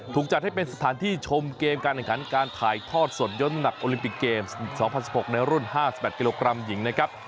จัดให้เป็นสถานที่ชมเกมการแข่งขันการถ่ายทอดสดย้นหนักโอลิมปิกเกมส์๒๐๑๖ในรุ่น๕๘กิโลกรัมหญิงนะครับ